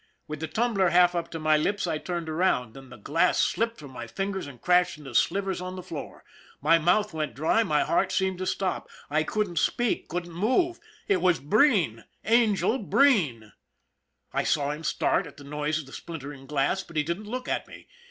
With the tumbler half up to my lips I turned around then the glass slipped from my fingers and crashed into slivers on the floor. My mouth went dry, my heart seemed to stop. I couldn't speak, couldn't move. It was Breen "Angel" Breen! I saw him start at the noise of the splintering glass, but he didn't look at me.